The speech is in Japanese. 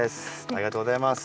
ありがとうございます。